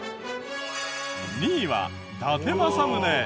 ２位は伊達政宗。